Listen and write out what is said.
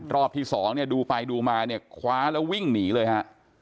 รอบที่สองเนี่ยดูไปดูมาเนี่ยคว้าแล้ววิ่งหนีเลยฮะ